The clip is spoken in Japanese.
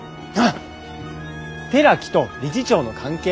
寺木と理事長の関係。